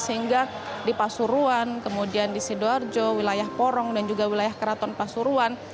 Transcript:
sehingga di pasuruan kemudian di sidoarjo wilayah porong dan juga wilayah keraton pasuruan